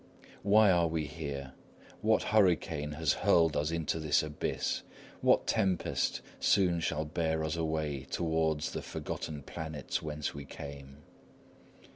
Why are we here? What hurricane has hurled us into this abyss? What tempest soon shall bear us away towards the forgotten planets whence we came?